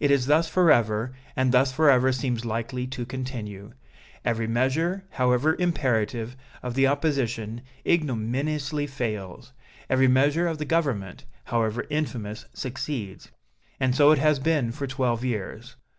It is thus forever, and thus forever seems likely to continue. Every measure, however imperative, of the opposition, ignominiously fails every measure of the Government, however infamous, succeeds. And so it has been for twelve years.